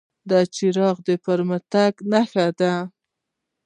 دا څرخ د پرمختګ نښه ده.